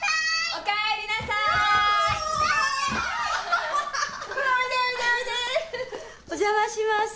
お邪魔します。